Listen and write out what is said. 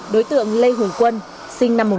đối tượng lê hùng quân sinh năm hai nghìn năm